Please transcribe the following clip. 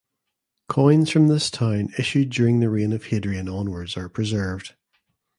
Coins from this town issued during the reign of Hadrian onwards are preserved.